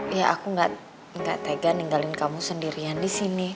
iya aku gak tega ninggalin kamu sendirian disini